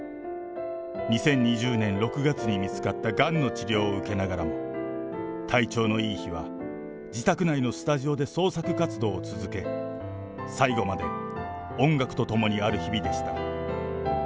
２０２０年６月に見つかった、がんの治療を受けながらも、体調のいい日は、自宅内のスタジオで創作活動を続け、最期まで音楽と共にある日々でした。